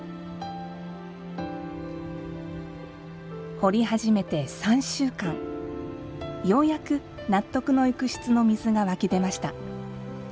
掘り始めて３週間ようやく納得のいく質の水が湧き出ました。